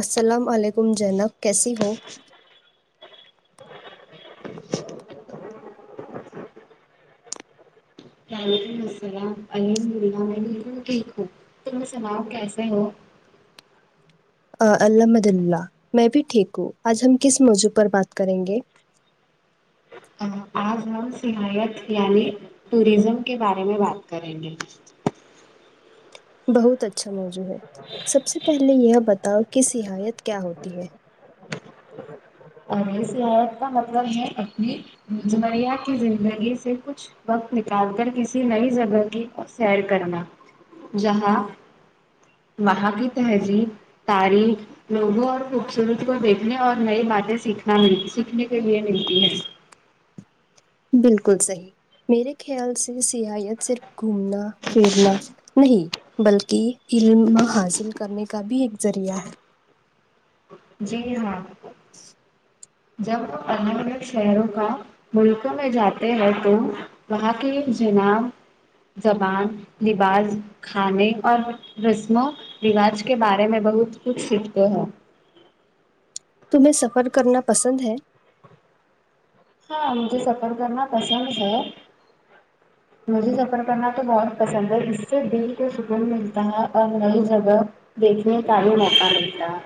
السلام علیکم زینب کیسی ہو وعلیکم السلام الحمد اللہ میں بالکل ٹھیک ہوں تمیں سناؤ کیسے ہو الحمد اللہ میں بھی ٹھیک ہوں آج ہم کس موضوع پر بات کریں گے ہ [unintelligible] آج ہم سحایت یعنی ٹوریزم کے بارے میں بات کریں گے بہت اچھا موجوع ہے سب سے پہلے یہ بتاؤ کہ سحایت کیا ہوتی ہے ار سحایت کا مطلب یہ ہے کہ [unintelligible] کی زندگی سے کچھ وقت نکال کر کسی نئی جگہ کی سیر کرنا جہاں مہاگیت ہے جی تاریخ لوگوں اور خوبصورت کو دیکھنے اور نئی باتیں سیکھنا مل سیکھنے کے لیے ملتی ہے بالکل صحیح میرے خیال سے سحایت صرف گھومنا پھرنا نہیں بلکہ علم حاصل کرنے کا بھی ایک ذریعہ ہے جی ہاں ناقابل سماعت جب الگ الگ شہروں کا ملکوں میں جاتے ہیں تو وہاں کی جناب زبان لباس کھانے اور رسم و رواج کے بارے میں بہت کچھ سیکھتے ہیں تمہیں سفر کرنا پسند ہے ہاں مجھے سفر کرنا پسند ہے ناقابل سماعت مجھے سفر کرنا تو بہت پسند ہے اس سے دل کو سکون ملتا ہے اور نئی جگہ دیکھنے کا بھی موقع ملتا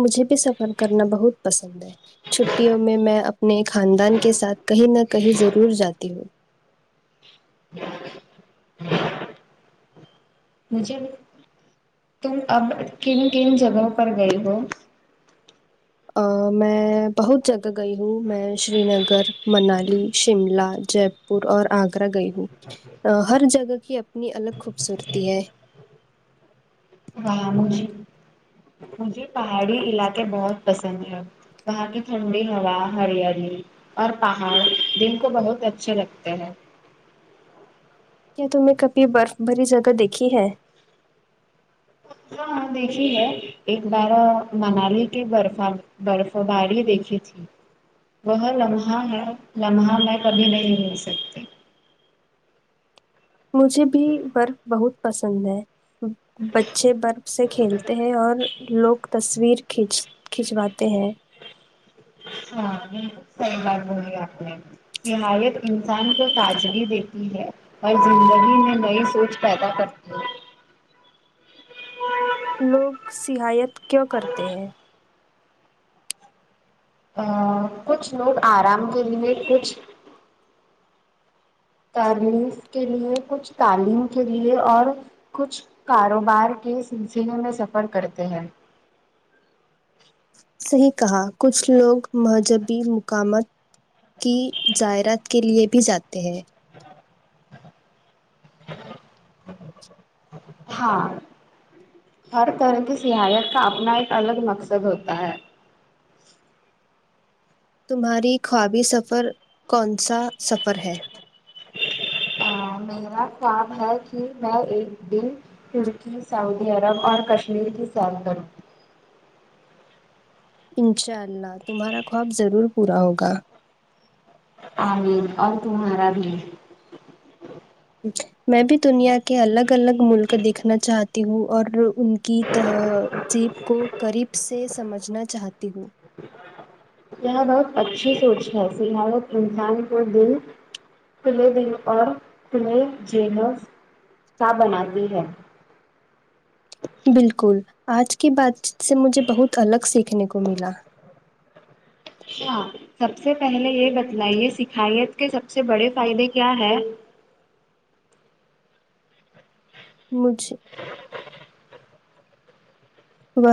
مجھے بھی سفر کرنا بہت پسند ہے چھٹیوں میں میں اپنے خاندان کے ساتھ کہیں نہ کہیں ضرور جاتی ہوں ہ مجھے تم اب کن کن جگہوں پر گئی ہو میں بہت جگہ گئی ہوں میں شری نگر منالی شملہ جے پور پ اور آگرہ گئی ہوں ہر جگہ کی اپنی الگ خوبصورتی ہے وہاں مج مجھے پہاڑی علاقے بہت پسند ہے وہاں کی ٹھنڈی ہوا ہریالی اور پہاڑ دل کو بہت اچھے لگتے ہیں کیا تمنے کبھی برف بھری جگہ دیکھی ہے ہاں ہاں دیکھی ہے ایک بار منالی کی برف برف باری دیکھی تھی وہ لمحہ میں لمحہ میں کبھی نہیں ہو سکتی مجھے بھی برف بہت پسند ہے بچے برف سے کھیلتے ہیں اور لوگ تصویر کھینچ کھنچواتے ہیں ہاں بلکل صحیح بات بولی اپ نے نہایت انسان کو تاجگی دیتی ہے ہر زندگی میں نئی سوچ پیدا کرتی ہیں لوگ صہایت کیوں کرتے ہیں ا کچھ لوگ آرام کے لیے کچھ ترمیز کے لیے کچھ تعلیم کے لیے اور کچھ کاروبار کے سلسلے میں سفر کرتے ہیں صحیح کہا کچھ لوگ مہذبی مقامات کی زائرات کے لیے بھی جاتے ہیں ہاں ہر طرح کی سیاحیت کا اپنا ایک الگ مقصد ہوتا ہے تمہاری خوابی سفر کون سا سفر ہے میرا خواب ہے کہ میں ایک دن ترکی سعودی عرب اور کشمیر کے سیر کرو انشاء اللہ تمہارا خواب ضرور پورا ہوگا امین اور تہارا بھی میں بھی دنیا کے الگ الگ ملک دیکھنا چاہتی ہوں اور ان کی تہذیب کو قریب سے سمجھنا چاہتی ہوں یہ بہت اچھی سوچ ہے فل حال اب انسان کو دل کھلے دل اور کھلے [unintelligible] بالکل آج کی بات چیت سے مجھے بہت الگ سیکھنے کو ملا ہاں سب سے پہلے یہ بتلائیے سیکھا یت کے سب سے بڑے فائدے کیا ہے مجھے وہ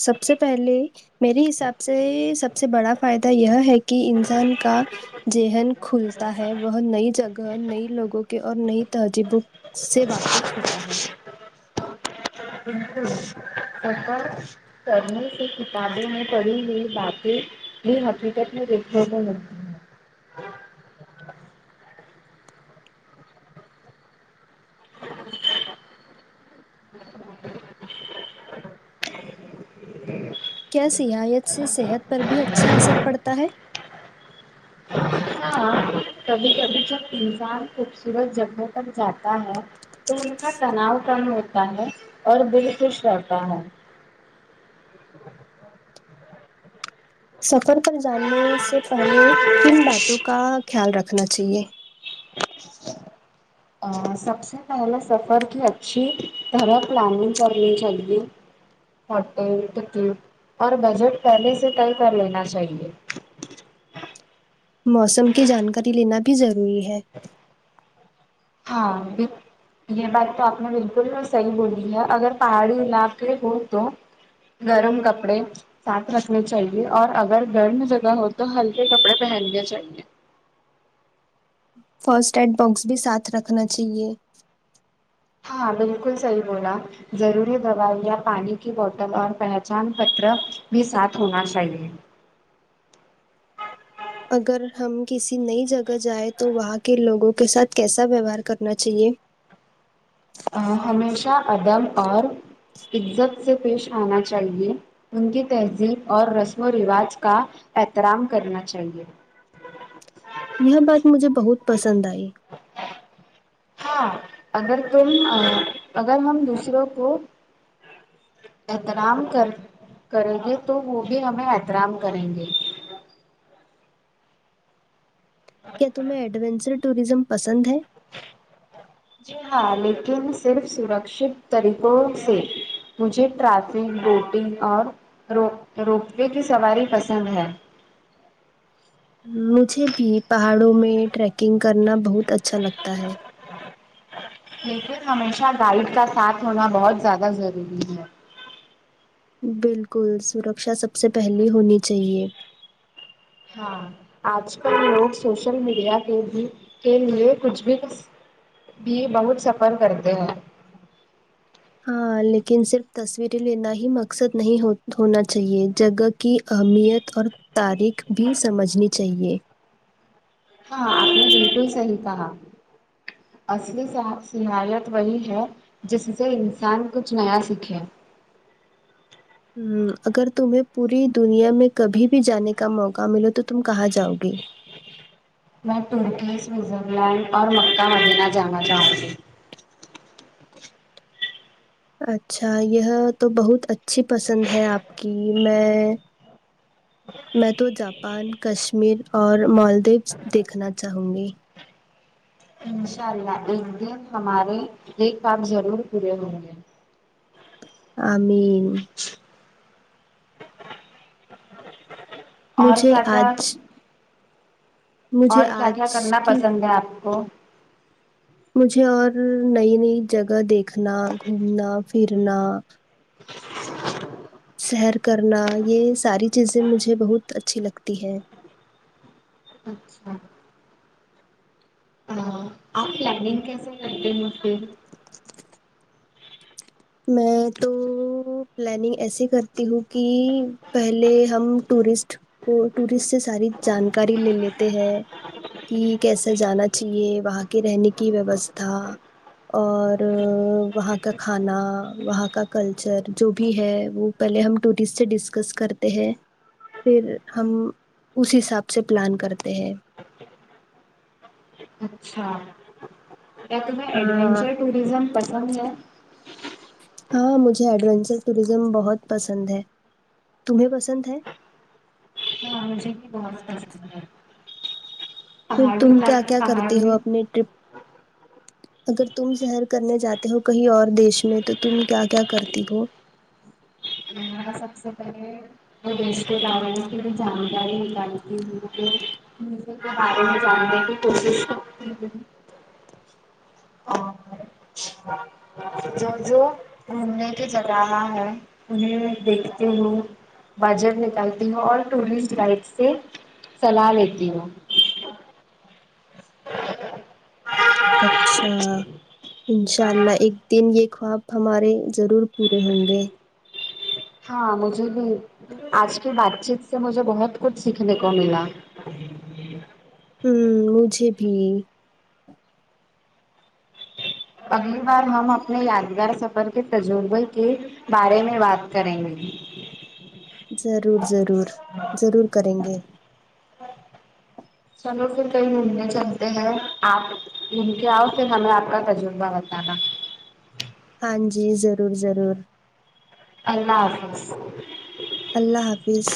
سب سے پہلے میرے حساب سے سب سے بڑا فائدہ یہ ہے کہ انسان کا ذہن کھلتا ہے وہ نئی جگہ نئی لوگوں کے اور نئی تہذیبوں اس سے واقف ہوتا ہے [unintelligible] پڑھی ہوئی کتابوں میں پڑھی ہوئی باتیں بھی حقیقت میں دیکھنے کو مل کیا سیاحیت سے صحت پر بھی اچھا اثر پڑتا ہے ہاں کبھی کبھی جب انسان خوبصورت جگہ پر جاتا ہے تو ان کا تناؤ کم ہوتا ہے اور دل خوش رہتا ہے سفر پر جانے سے پہلے کن باتوں کا خیال رکھنا چاہیے سب سے پہلے سفر کی اچھی طرح پلاننگ کرنی چاہیے ہوٹل ٹکٹ اور بجٹ پہلے سے طے کر لینا چاہیے موسم کی جانکاری لینا بھی ضروری ہے ہاں بھی یہ بات تو آپ نے بالکل صحیح بولی ہے اگر پہاڑی علاقے ہو تو گرم کپڑے ساتھ رکھنی چاہیے اور اگر گرم جگہ ہو تو ہلکے کپڑے پہننے چاہیے فرسٹ ایڈ باکس بھی ساتھ رکھنا چاہیے ہاں بالکل صحیح بولا ضروری دوائی یا پانی کی بوتل اور پہچان پتر بھی ساتھ ہونا چاہیے اگر ہم کسی نئی جگہ جائیں تو وہاں کے لوگوں کے ساتھ کیسا ویوہار کرنا چاہیے ہمیشہ ادب اور عزت سے پیش آنا چاہیے ان کی تہذیب اور رسم رواج کا احترام کرنا چاہیے یہ بات مجھے بہت پسند آئی ہاں اگر تم اگر ہم دوسروں کو احترام کر کریں گے تو وہ بھی ہمیں احترام کریں گے کیا تمہیں ایڈونچر ٹورزم پسند ہے جی ہاں لیکن صرف سراکشیت طریقوں سے مجھے ٹرافک بوٹنگ اور ر روپ پے کی سواری پسند ہے مجھے بھی پہاڑوں میں ٹریکنگ کرنا بہت اچھا لگتا ہے لیکن ہمیشہ گائڈ کا ساتھ ہونا بہت زیادہ ضروری ہے بالکل سرکشا سب سے پہلی ہونی چاہیے ہاں آج کل لوگ سوشل میڈیا کے بھی کے لیے کچھ بھی بھی بہت سفر کرتے ہیں ہاں لیکن صرف تصویریں لینا ہی مقصد نہیں ہونا چاہیے جگہ کی اہمیت اور تاریخ بھی سمجھنی چاہیے ہاں اپ نے بالکل صحیح کہا اصلی صحیحات وہی ہے جس سے انسان کچھ نیا سیکھے ھممم اگر تمہیں پوری دنیا میں کبھی بھی جانے کا موقع ملو تو تم کہاں جاؤ گی میں ترکی سوزی لینڈ اور مکہ مدینہ جانا چاہوں گی اچھا یہ تو بہت اچھی پسند ہے اپ کی میں میں تو جاپان کشمیر اور مالدیوس دیکھنا چاہوں گی انشاء اللہ ایک دن ہمارے دیکھ نیک کام ضرور پورے ہوں گے آمین اور مجھے کیا کیا اج مجھے اور کیا کیا آج کرنا کی پسند ہے اپ کو مجھے اور نئی نئی جگہ دیکھنا گھومنا پھرنا سیر کرنا یہ ساری چیزیں مجھے بہت اچھی لگتی ہیں اچھا آپ پلاننگ کیسے کرتے ہیں مجھ میں تو پلاننگ ایسے کرتی ہوں کی پہلے ہم ٹورسٹ کو ٹورسٹ سے ساری جانکاری لے لیتے ہیں کی کیسا جانا چاہیے وہاں کے رہنے کی ویوستھا اور وہاں کا کھانا وہاں کا کلچر جو بھی ہے وہ پہلے ہم ٹورسٹ سے ڈسکس کرتے ہیں پھر ہم اس حساب سے پلان کرتے ہیں اچھا کیا تمہیں ہاں ایڈونچر ٹورزم پسند ہے ہاں مجھے ایڈونچر ٹوریزم بہت پسند ہے تمہیں پسند ہے ہاں مجھے بھی بہت پسند ہے پھر پہاڑی تم کیا علاقے کیا کرتی ہو پہاڑی اپنی ٹرپ اگر تم سحر کرنے جاتے ہو کہیں اور دیش میں تو تم کیا کیا کرتی ہو ہمارا سب سے پہلے وہ رشتہ دارو کی جانکاری نکالتی ہوں تو سب کے بارے میں جاننے کی کوشش تو ہ چھپن جب جو گھومنے کی جگہ ہے انہیں دیکھتی ہو بجر نکالتی ہوں اور ٹورسٹ گائڈ سے سلا لیتی ہوں اچھا انشاء اللہ ایک دن یہ خواب ہمارے ضرور پورے ہوں گے ہاں مجھے بھی اج کی بات چیت سے مجھے بہت کچھ سیکھنے کو ملا ہی جی ہم مجھے بھی اگلی بار ہم اپنے یادگار سفر کے ترجوبے کے بارے میں بات کریں گے ضرور ضرور ضرور کریں گے چلو پھر کہیں گھومنے چلتے ہیں اپ گھوم کے اؤ پھر ہمیں آپ کا تجربہ بتانا ہاں جی ضرور ضرور اللہ حافظ اللہ حافظ